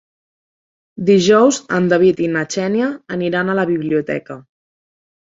Dijous en David i na Xènia aniran a la biblioteca.